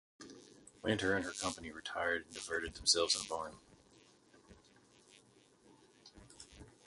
Winter and her company retired and diverted themselves in a barn.